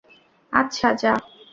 আচ্ছা, যা।